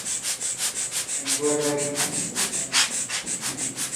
Se mudó a los Estados Unidos a los doce años.